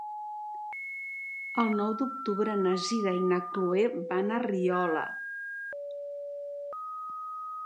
El nou d'octubre na Sira i na Chloé van a Riola.